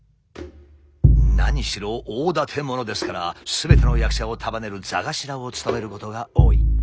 何しろ大立者ですから全ての役者を束ねる座頭を務めることが多い。